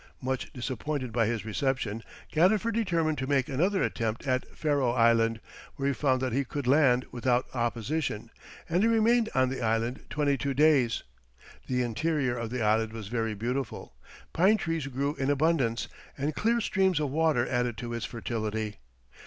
Much disappointed by his reception, Gadifer determined to make another attempt at Ferro Island; there he found that he could land without opposition, and he remained on the island twenty two days. The interior of the island was very beautiful. Pine trees grew in abundance, and clear streams of water added to its fertility.